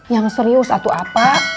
yang serius atu apa